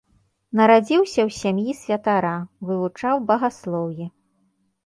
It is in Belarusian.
Нарадзіўся ў сям'і святара, вывучаў багаслоўе.